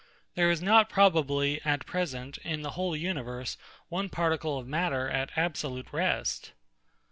There is not probably, at present, in the whole universe, one particle of matter at absolute rest.